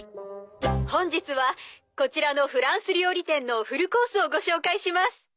本日はこちらのフランス料理店のフルコースをご紹介します。